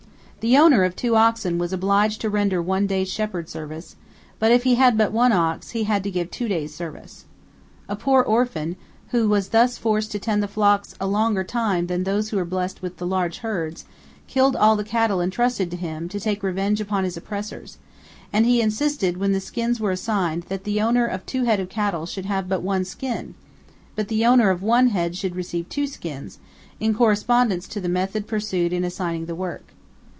The owner of two oxen was obliged to render one day's shepherd service, but if he had but one ox, he had to give two days' service. A poor orphan, who was thus forced to tend the flocks a longer time than those who were blessed with large herds, killed all the cattle entrusted to him in order to take revenge upon his oppressors, and he insisted, when the skins were assigned, that the owner of two head of cattle should have but one skin, but the owner of one head should receive two skins, in correspondence to the method pursued in assigning the work.